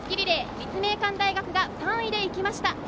立命館大学が３位でいきました。